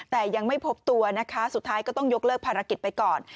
แต่ยังไม่พบตัวนะคะสุดท้ายก็ต้องยกเลิกภารกิจไปก่อน